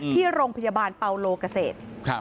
ที่โรงพยาบาลเปาโลเกษตร